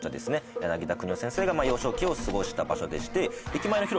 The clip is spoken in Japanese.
柳田國男先生が幼少期を過ごした場所でして駅前の広場